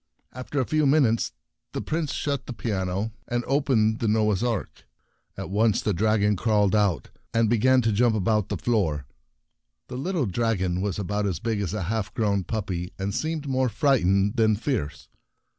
After a few minutes the Prince shut the piano and opened the Noah's Ark. At once the dragon crawled out, and began to jump about the floor. The little dragon was about as big as a half grown puppy, and seemed more frightened than fierce.